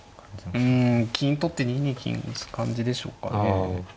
うん金取って２二金打つ感じでしょうかね。